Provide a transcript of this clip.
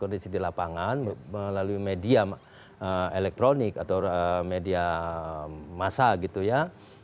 kondisi di lapangan melalui media elektronik atau media masa gitu ya